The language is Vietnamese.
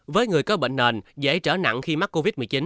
với người có bệnh nền dễ trở nặng khi mắc covid một mươi chín